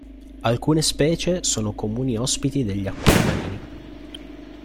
Alcune specie sono comuni ospiti degli acquari marini.